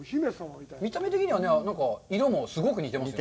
見た目的には、色もすごく似てますね。